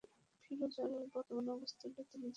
ফিরোজের বর্তমান অবস্থাটা তুমি জান?